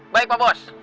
baik pak bos